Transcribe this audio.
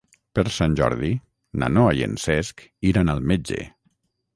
Per Sant Jordi na Noa i en Cesc iran al metge.